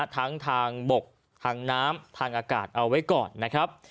ทั้งทางบกทางน้ำทางอากาศเอาไว้ก่อนนะครับ